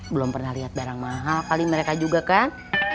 belum pernah lihat barang mahal kali mereka juga kan